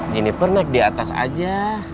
jenniper naik di atas aja